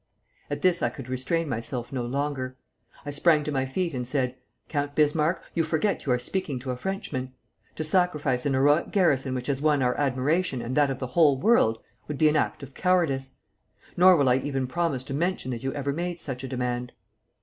At this I could restrain myself no longer. I sprang to my feet and said: 'Count Bismarck, you forget you are speaking to a Frenchman! To sacrifice an heroic garrison which has won our admiration and that of the whole world, would be an act of cowardice. Nor will I even promise to mention that you ever made such a demand.'